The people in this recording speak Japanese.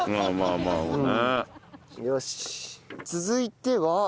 続いては。